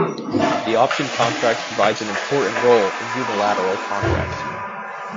The option contract provides an important role in unilateral contracts.